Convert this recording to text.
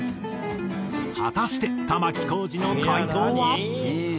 果たして玉置浩二の回答は？